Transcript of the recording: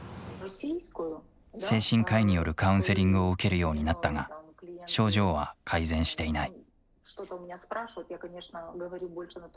精神科医によるカウンセリングを受けるようになったが症状は改善していない。